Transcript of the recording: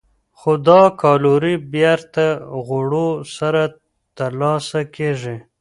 خو دا کالوري بېرته خوړو سره ترلاسه کېږي.